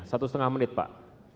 satu setengah menit pak